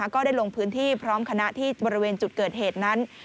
ก็ได้ลงพื้นที่พร้อมคณะที่บริเวณจุดเกิดเหตุนั้น